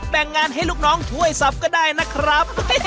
งงานให้ลูกน้องช่วยสับก็ได้นะครับ